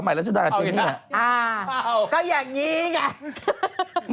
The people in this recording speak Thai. ใหม่แล้วจะได้นะเจนี่อะอ้าวก็อย่างนี้กัน